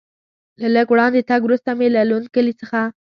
له لږ وړاندې تګ وروسته مې له لوند کلي څخه.